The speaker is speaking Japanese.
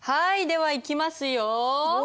ではいきますよ。